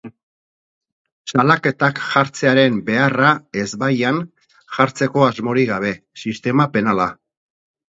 Salaketak jartzearen beharra ezbaian jartzeko asmorik gabe, sistema penala.